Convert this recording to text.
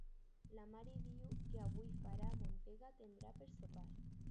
La mare diu que avui farà mongeta tendra per sopar